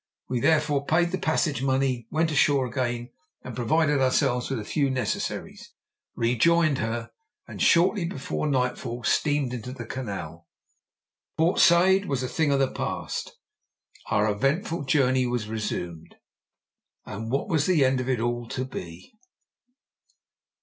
We therefore paid the passage money, went ashore again and provided ourselves with a few necessaries, rejoined her, and shortly before nightfall steamed into the Canal. Port Said was a thing of the past. Our eventful journey was resumed what was the end of it all to be?